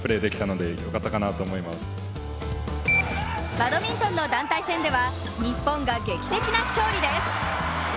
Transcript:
バドミントンの団体戦では日本が劇的な勝利です。